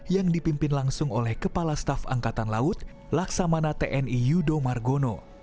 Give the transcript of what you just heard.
yang dipimpin langsung oleh kepala staf angkatan laut laksamana tni yudo margono